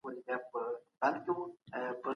حکومت به د بيکارۍ د ختمولو لپاره نوي پلانونه جوړ کړي.